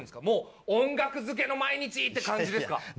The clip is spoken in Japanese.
もう音楽漬けの毎日！って感じですか？